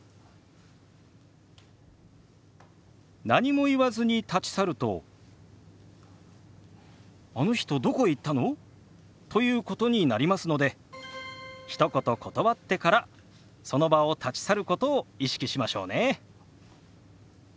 何も言わずに立ち去ると「あの人どこへ行ったの？」ということになりますのでひと言断ってからその場を立ち去ることを意識しましょうね。